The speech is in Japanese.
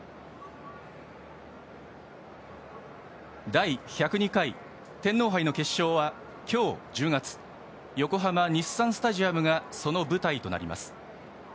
第１０２回天皇杯の決勝は今日、１０月横浜・日産スタジアムがその舞台となります。